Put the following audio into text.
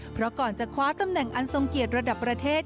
เพราะก่อนจะคว้าตำแหน่งอันทรงเกียรติระดับประเทศ